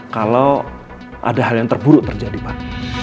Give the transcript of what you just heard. kalau ada hal yang terburuk terjadi pak